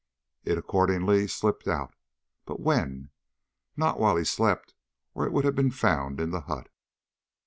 It accordingly slipped out; but when? Not while he slept, or it would have been found in the hut.